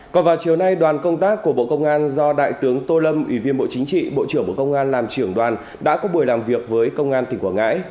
còn vào chiều nay đoàn công tác của bộ công an do đại tướng tô lâm ủy viên bộ chính trị bộ trưởng bộ công an làm trưởng đoàn đã có buổi làm việc với công an tỉnh quảng ngãi